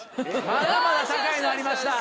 まだまだ高いのありました。